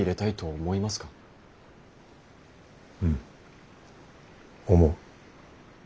うん思う。